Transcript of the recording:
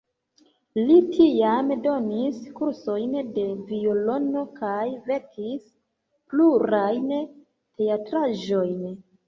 Li tiam donis kursojn de violono kaj verkis plurajn teatraĵojn.